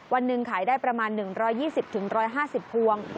วันหนึ่งขายได้ประมาณ๑๒๐๑๕๐พวง